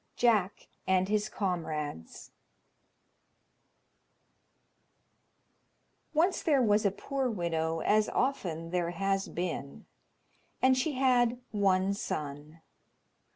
Jack and His Comrades Once there was a poor widow, as often there has been, and she had one son.